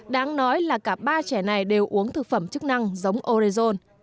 đáng nói là cả ba trẻ này đều uống thực phẩm chức năng giống orezon